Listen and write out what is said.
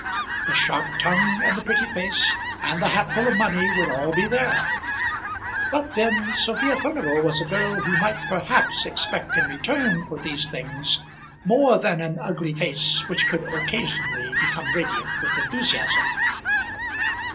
The sharp tongue and the pretty face and the hatful of money would all be there; but then Sophia Furnival was a girl who might perhaps expect in return for these things more than an ugly face which could occasionally become radiant with enthusiasm.